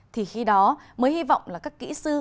thì khi đó mới hy vọng là các kỹ sư